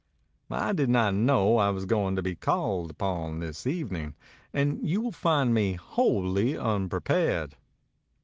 "I did not know I was going to be called upon this evening and you find me wholly unpre pared.